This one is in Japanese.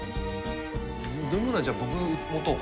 飲み物はじゃ僕持とうか。